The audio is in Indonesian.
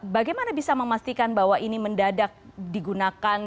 bagaimana bisa memastikan bahwa ini mendadak digunakan